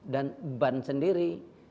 dan ban sendiri